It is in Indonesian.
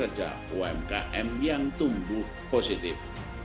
kerja umkm yang tumbuh positif